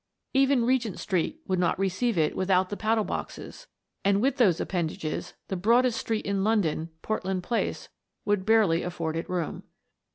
Even Regent street would not receive it without the paddle boxes; and with those appendages, the broadest street in London, Portland place, would barely afford it room.